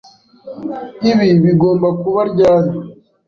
Ibi bigomba kuba ryari?